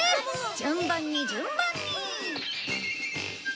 順番に順番に！